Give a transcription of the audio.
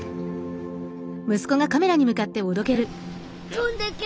飛んでけ！